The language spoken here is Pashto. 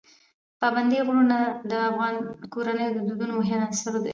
پابندی غرونه د افغان کورنیو د دودونو مهم عنصر دی.